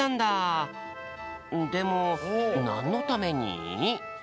でもなんのために？